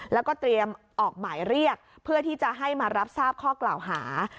แล้วก็เตรียมออกหมายเรียกเพื่อที่จะให้มารับทราบข้อกล่าวหา